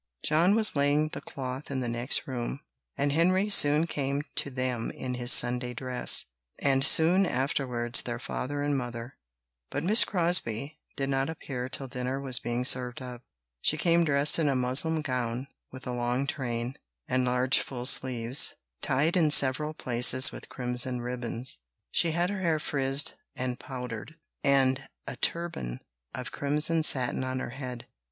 John was laying the cloth in the next room, and Henry soon came to them in his Sunday dress, and soon afterwards their father and mother; but Miss Crosbie did not appear till dinner was being served up. She came dressed in a muslin gown, with a long train, and large full sleeves, tied in several places with crimson ribbons; she had her hair frizzed and powdered, and a turban of crimson satin on her head.